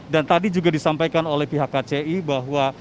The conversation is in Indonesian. dan tadi juga disampaikan oleh pihak kci bahwa